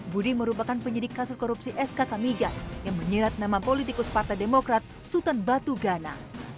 budi merupakan penyidik kasus korupsi skk migas yang menyirat nama politikus partai demokrat sultan batu gana